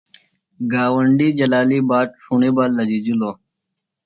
گاونڈیۡ جلالی بات ݜُݨیۡ بہ لجِجلوۡ۔